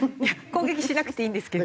攻撃しなくていいんですけど。